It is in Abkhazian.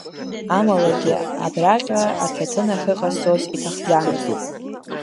Амалагьы, абраҟа аҭаҭын ахьыҟасҵоз иҭахӡамызт.